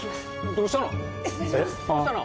どうしたの？